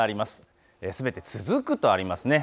すべて続くとあります。